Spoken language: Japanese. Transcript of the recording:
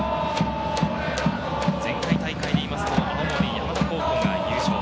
前回大会で言うと、青森山田高校が優勝。